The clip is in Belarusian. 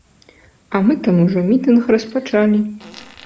А мы там ужо мітынг распачалі.